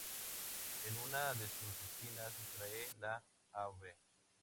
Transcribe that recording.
En una de sus esquinas, entre la Av.